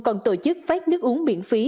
còn tổ chức phát nước uống miễn phí